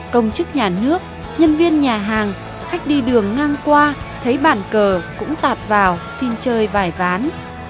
công chức nhà nước nhân viên nhà hàng khách đi đường ngang qua thấy bàn cờ cũng tạt vào xin chơi vài ván